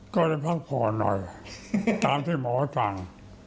ก็เลยพักผ่อนหน่อยตามที่หมอสั่ง